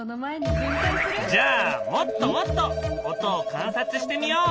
じゃあもっともっと音を観察してみよう！